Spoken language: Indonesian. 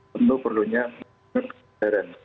tentu perlunya kesadaran